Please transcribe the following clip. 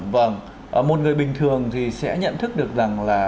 vâng một người bình thường thì sẽ nhận thức được rằng là